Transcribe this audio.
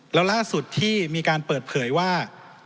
แล้วล่าสุดที่มีการเปิดเผยว่า